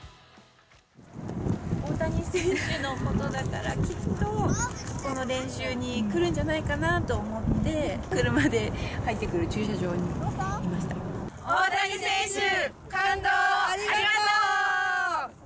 大谷選手のことだから、きっとこの練習に来るんじゃないかなと思って、車で入ってくる駐大谷選手、感動をありがとう。